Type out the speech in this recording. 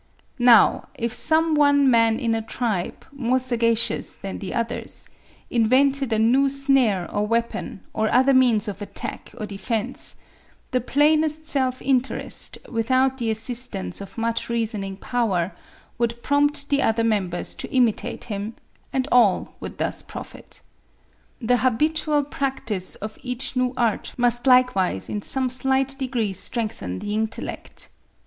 Now, if some one man in a tribe, more sagacious than the others, invented a new snare or weapon, or other means of attack or defence, the plainest self interest, without the assistance of much reasoning power, would prompt the other members to imitate him; and all would thus profit. The habitual practice of each new art must likewise in some slight degree strengthen the intellect.